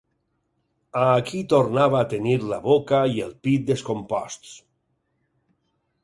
A aquí tornava a tenir la boca i el pit descomposts.